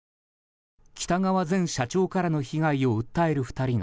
喜多川前社長からの被害を訴える２人が